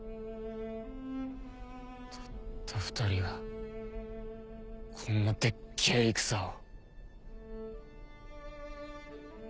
たった２人がこんなデッケェ戦を。